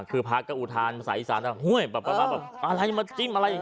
คือภาพก็อุทานภาษาอีสานแล้วห้วยแบบแบบแบบอะไรมาจิ้มอะไรอย่าง